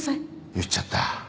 言っちゃった。